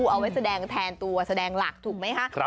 เอาไว้แสดงแทนตัวแสดงหลักถูกไหมคะ